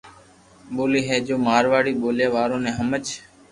ڀولي ھي جو مارواڙي ٻوليا وارو ني ھمج